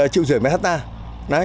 bảy triệu rưỡi mấy hectare